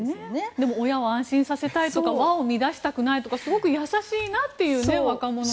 でも、親を安心させたい和を乱したくないとかすごく優しいなっていう若者の姿も。